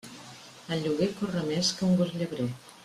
El lloguer corre més que un gos llebrer.